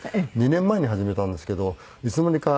２年前に始めたんですけどいつの間にか。